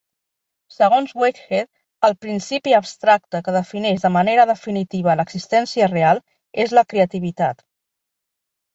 Segons Whitehead, el principi abstracte que defineix de manera definitiva l'existència real és la creativitat.